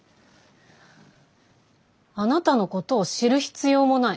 あなたのことを知る必要もない。